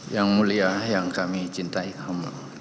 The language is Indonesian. yang mulia yang kami cintai kami